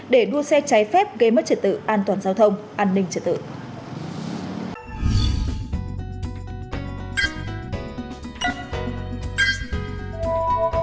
để đua xe trái phép gây mất trật tự an toàn giao thông an ninh trật tự